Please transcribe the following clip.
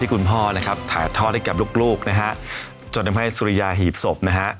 คุณพ่อนะครับถ่ายทอดให้กับลูกนะฮะจนทำให้สุริยาหีบศพนะฮะ